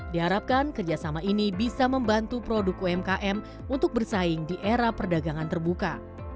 diharapkan kerjasama ini bisa membantu produk umkm untuk bersaing di era perdagangan terbuka